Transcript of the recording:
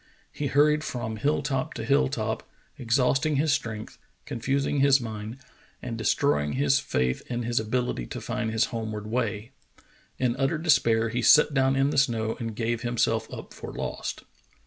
He hurried from hill top to hill top, exhausting his strength, confusing his mind, How Woon Won Promotion 113 and destroying his faith in his abihty to find his home ward way. In utter despair he sat down in the snow and gave himself up for lost.